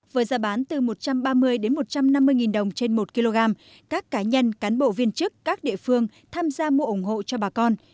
với giá bán từ một trăm ba mươi đến một trăm năm mươi đồng trên một kg các cá nhân cán bộ viên chức các địa phương tham gia mua ủng hộ cho bà con